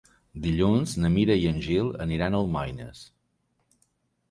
Dilluns na Mira i en Gil aniran a Almoines.